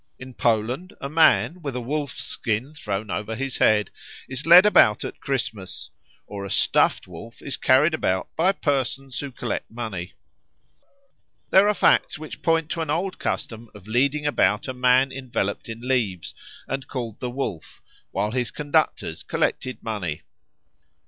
In Poland a man, with a wolf's skin thrown over his head, is led about at Christmas; or a stuffed wolf is carried about by persons who collect money. There are facts which point to an old custom of leading about a man enveloped in leaves and called the Wolf, while his conductors collected money.